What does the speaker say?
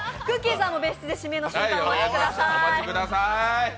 さんも別室で指名の瞬間をお待ちください。